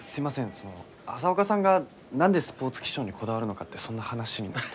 その朝岡さんが何でスポーツ気象にこだわるのかってそんな話になって。